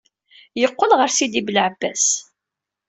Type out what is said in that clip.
Yeqqel ɣer Sidi Belɛebbas.